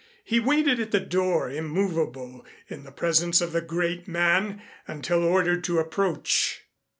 He waited at the door, immovable, in the presence of the great man until ordered to approach.